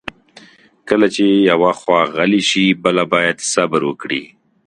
کله چې یوه خوا غلې شي، بله باید صبر وکړي.